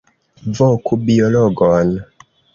Voku biologon!